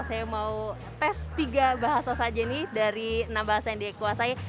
saya mau tes tiga bahasa saja nih dari enam bahasa yang dia kuasai